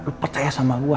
lu percaya sama gue